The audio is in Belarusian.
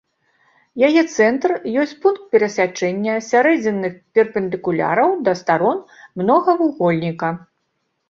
Яе цэнтр ёсць пункт перасячэння сярэдзінных перпендыкуляраў да старон многавугольніка.